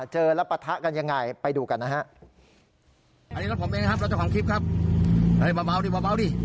เจอแล้วปรัฐะกันอย่างไรไปดูกันนะครับ